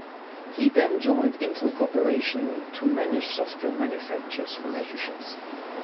He then joined Intel Corporation to manage Software manufacturers relationships.